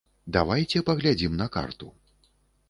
Давайце паглядзім на карту.